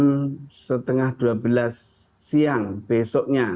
jam setengah dua belas siang besoknya